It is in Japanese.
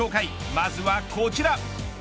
まずはこちら。